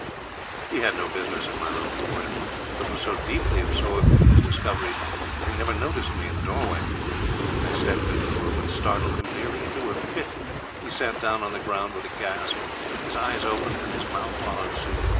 He had no business in my room, of course; but was so deeply absorbed in his discoveries that he never noticed me in the doorway. I stepped into the room and startled him nearly into a fit. He sat down on the ground with a gasp. His eyes opened, and his mouth followed suit.